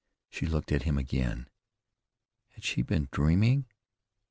She looked at him again. Had she been dreaming?